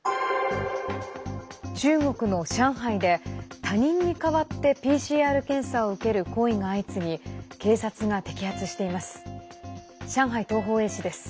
中国の上海で他人に代わってＰＣＲ検査を受ける行為が相次ぎ警察が摘発しています。